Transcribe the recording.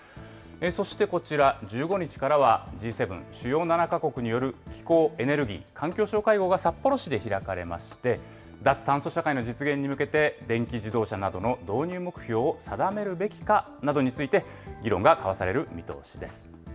そしてこちら、１５日からはＧ７・主要７か国による気候・エネルギー・環境相会合が札幌市で開かれまして、脱炭素社会の実現に向けて、電気自動車などの導入目標を定めるべきかなどについて、議論が交わされる見通しです。